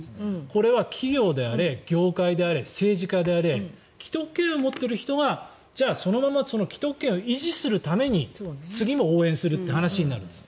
これは企業であれ業界であれ政治家であれ既得権を持っている人がじゃあそのまま既得権を維持するために、次も応援するという話になるんです。